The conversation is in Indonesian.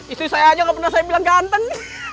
istri saya aja gak pernah saya bilang ganteng